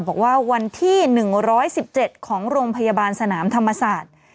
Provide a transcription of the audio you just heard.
บอกว่าวันที่หนึ่งร้อยสิบเจ็ดของโรงพยาบาลสนามธรรมศาสตร์